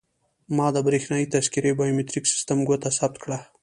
ما د بریښنایي تذکیرې بایومتریک سیستم ګوته ثبت کړه.